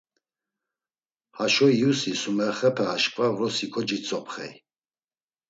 Haşo iyusi Sumexepe aşǩva vrosi kocitzopxey.